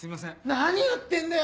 何やってんだよ！